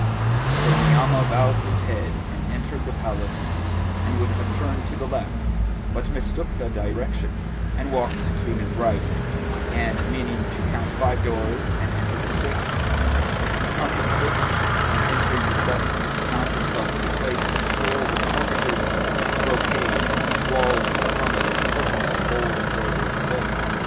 So Ni'amah bowed his head and entered the palace, and would have turned to the left, but mistook the direction and walked to his right; and, meaning to count five doors and enter the sixth, he counted six and entering the seventh, found himself in a place whose floor was carpeted with brocade and whose walls were hung with curtains of gold embroidered silk.